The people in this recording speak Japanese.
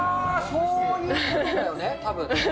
そういうことだよね、たぶん。